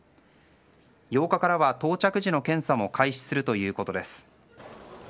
８日からは到着時の検査も開始するということです。